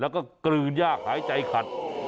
แล้วก็กลืนยากหายใจขัด